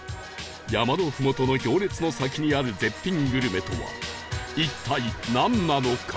山のふもとの行列の先にある絶品グルメとは一体なんなのか？